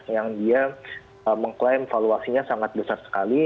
yang dia mengklaim valuasinya sangat besar sekali